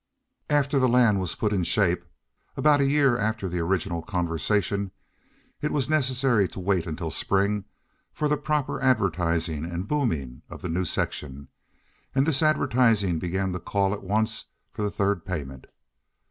After the land was put in shape, about a year after the original conversation, it was necessary to wait until spring for the proper advertising and booming of the new section; and this advertising began to call at once for the third payment.